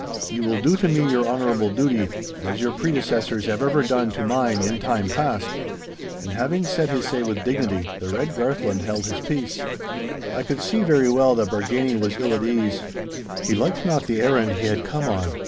Ye will do to me your honourable duty, as your predecessors have ever done to mine in time past.' And having said his say with dignity, the red Garthland held his peace. I could see very well that Bargany was ill at ease. He liked not the errand he had come on.